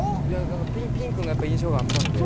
何かピンクの印象があったので。